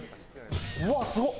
うわっすごっ！